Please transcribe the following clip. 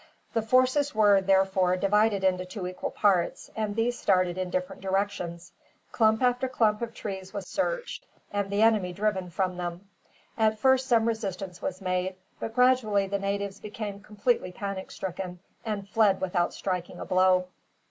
The forces were, therefore, divided into two equal parts, and these started in different directions. Clump after clump of trees was searched, and the enemy driven from them. At first some resistance was made; but gradually the natives became completely panic stricken, and fled without striking a blow.